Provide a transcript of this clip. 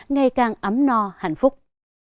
ngay càng ấm no hạnh phúc